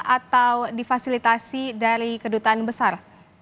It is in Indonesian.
atau difasilitasi dari kedutaan besar